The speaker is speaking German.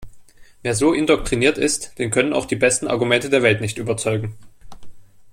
Wer so indoktriniert ist, den können auch die besten Argumente der Welt nicht überzeugen.